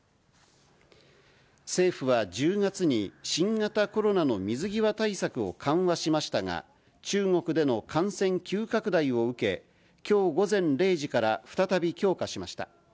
政府は１０月に新型コロナの水際対策を緩和しましたが、中国での感染急拡大を受け、きょう午前０時から再び強化しました。